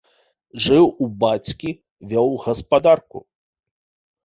Жыў у бацькі, вёў гаспадарку.